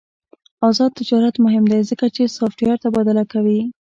آزاد تجارت مهم دی ځکه چې سافټویر تبادله کوي.